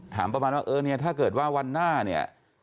ถามประมาณว่าถ้าเกิดวันหน้าเนี่ย